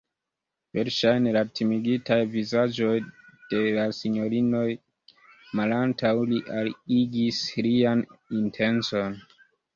Verŝajne la timigitaj vizaĝoj de la sinjorinoj malantaŭ li aliigis lian intencon.